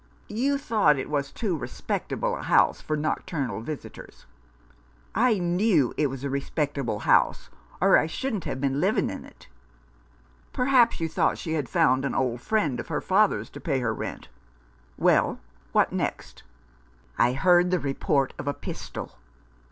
" You thought it was too respectable a house for nocturnal visitors ?"" I knew it was a respectable house — or I shouldn't have been living in it." " Perhaps you thought she had found an old 146 At Bow Street. friend of her father's to pay her rent. Well, what next ?"" I heard the report of a pistol."